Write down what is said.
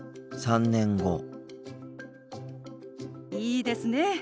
いいですね。